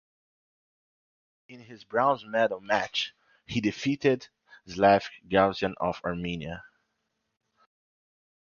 In his bronze medal match he defeated Slavik Galstyan of Armenia.